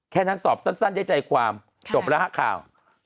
แค่นั้นสอบสั้นใจความจบแล้วครับข่าว